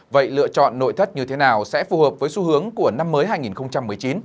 vậy lựa chọn nội thất như thế nào sẽ phù hợp với xu hướng của năm mới hai nghìn một mươi chín